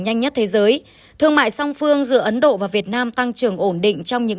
nhanh nhất thế giới thương mại song phương giữa ấn độ và việt nam tăng trưởng ổn định trong những